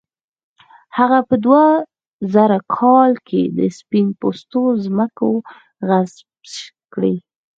هغه په دوه زره کال کې د سپین پوستو ځمکې غصب کړې.